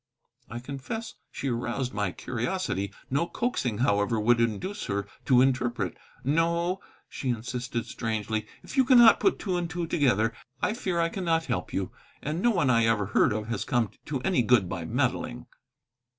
I confess she aroused my curiosity. No coaxing, however, would induce her to interpret. "No," she insisted strangely, "if you cannot put two and two together, I fear I cannot help you. And no one I ever heard of has come to any good by meddling."